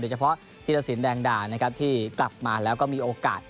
เฉพาะธีรสินแดงดานะครับที่กลับมาแล้วก็มีโอกาส